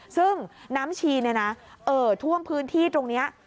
ซึ่งน้ำชีเอ่อท่วมพื้นที่ตรงนี้